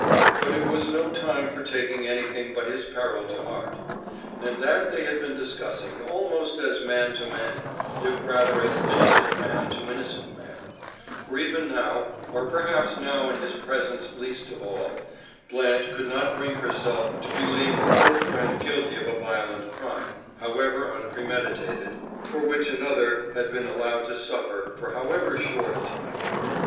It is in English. But it was no time for taking anything but his peril to heart. And that they had been discussing, almost as man to man, if rather as innocent man to innocent man; for even now, or perhaps now in his presence least of all, Blanche could not bring herself to believe her old friend guilty of a violent crime, however unpremeditated, for which another had been allowed to suffer, for however short a time.